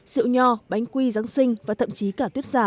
rượu nho bánh quy giáng sinh và thậm chí cả tuyết giả